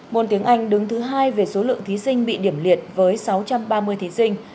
môn tiếng anh đứng thứ hai về số lượng thí sinh bị điểm liệt với sáu trăm ba mươi thí sinh